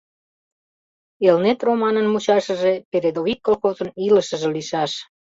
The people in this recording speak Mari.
«Элнет» романын мучашыже «Передовик» колхозын илышыже лийшаш.